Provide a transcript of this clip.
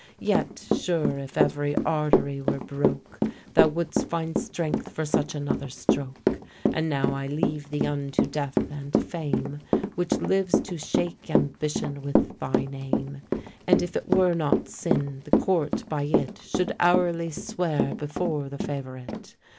Yet sure if every artery were broke, Thou wouldst find strength for such another stroke. And now I leave thee unto Death and Fame, Which lives to shake Ambition with thy name; And if it were not sin, the court by it Should hourly swear before the favourite.